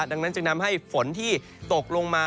ดังนั้นจึงทำให้ฝนที่ตกลงมา